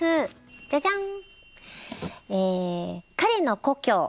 じゃじゃん！